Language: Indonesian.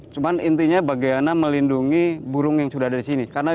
cuman intinya bagaimana melindungi burung yang sudah ada di sini